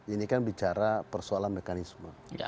ini kan bicara persoalan mekanisme